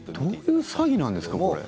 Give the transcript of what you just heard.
どういう詐欺なんですかこれ。